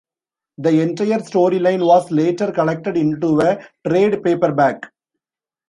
The entire storyline was later collected into a trade paperback.